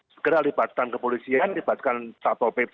segera libatkan ke polisian libatkan satu pp